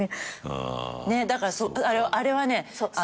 だからあれはね